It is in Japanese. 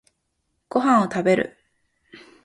ご飯を食べる